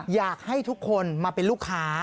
อยากให้ทุกคนมาเป็นลูกค้า